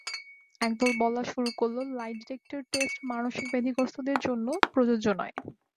এক দল বলা শুরু করল-লাই ডিটেকটির টেষ্ট মানসিক ব্যাধিগ্রস্তাদের ক্ষেত্রে প্রযোজ্য নয়।